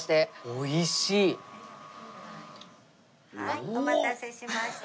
お待たせしました。